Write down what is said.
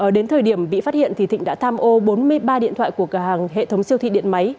đến thời điểm bị phát hiện thì thịnh đã tham ô bốn mươi ba điện thoại của cửa hàng hệ thống siêu thị điện máy